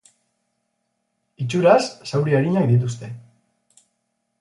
Itxuraz, zauri arinak dituzte.